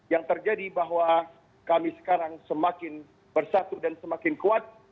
yang terjadi bahwa kami sekarang semakin bersatu dan semakin kuat